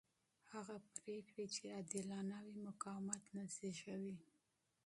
هغه پرېکړې چې عادلانه وي مقاومت نه زېږوي